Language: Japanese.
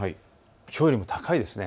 きょうよりも高いです。